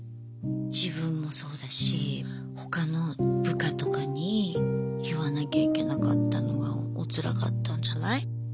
自分もそうだし他の部下とかに言わなきゃいけなかったのがおつらかったんじゃない？